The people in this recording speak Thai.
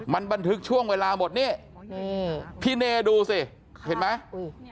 มันบันทึกช่วงเวลาหมดนี่นี่พี่เนดูสิเห็นไหมอุ้ย